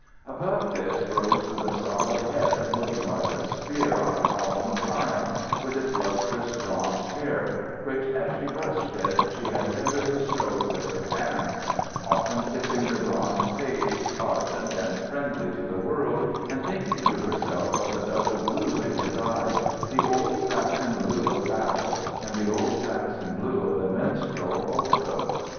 Above this rose the solid head looking like a sphere on a column of triumph, with its lustrous bronzed hair, which, as she brushed it, she had tenderly stroked with her hands; often kissing the bronzed face ardent and friendly to the world and thinking to herself of the double blue in his eyes, the old Saxon blue of battle and the old Saxon blue of the minstrel, also.